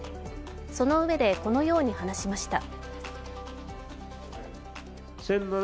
そのうえで、このように話しました